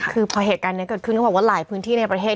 คือพอเหตุการณ์นี้เกิดขึ้นเขาบอกว่าหลายพื้นที่ในประเทศ